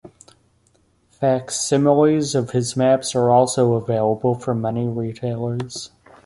Facsimiles of his maps are also available from many retailers.